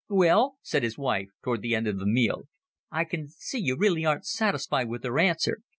"Will," said his wife, toward the end of the meal, "I can see you aren't really satisfied with their answer.